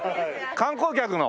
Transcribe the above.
観光客の？